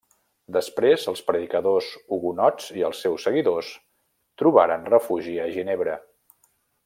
Després els predicadors hugonots i els seus seguidors, trobaren refugi a Ginebra.